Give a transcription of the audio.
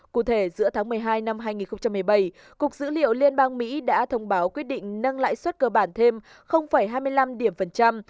cụ thể giữa tháng một mươi hai năm hai nghìn một mươi bảy cục dữ liệu liên bang mỹ đã thông báo quyết định nâng lãi suất cơ bản thêm hai mươi năm điểm phần trăm